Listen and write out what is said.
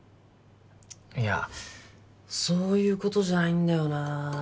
いやそういうことじゃないんだよなあ